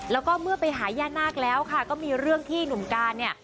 แล้วก็เมื่อไปหาย่านาคแล้วค่ะก็มีเรื่องที่หนุ่มการเนี่ย